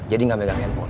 jadi nggak megang handphone